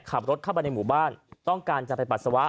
ขับรถเข้าไปในหมู่บ้านต้องการจะไปปัสสาวะ